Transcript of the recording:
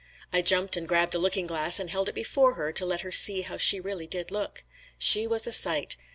I jumped and grabbed a looking glass and held it before her to let her see how she really did look. She was a sight.